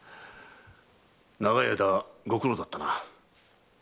長い間ご苦労だったな。